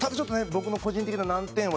僕の個人的な難点はですね